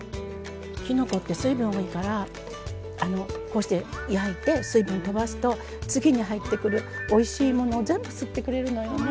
きのこって水分多いからこうして焼いて水分とばすと次に入ってくるおいしいものを全部吸ってくれるのよね。